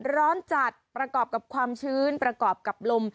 ร้อนจัดประกอบกับความชื้นประกอบกับลม